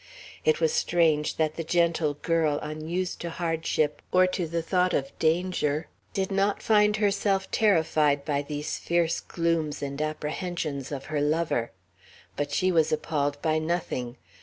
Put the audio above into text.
It was strange that the gentle girl, unused to hardship, or to the thought of danger, did not find herself terrified by these fierce glooms and apprehensions of her lover. But she was appalled by nothing.